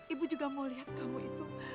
ibu juga mau lihat kamu itu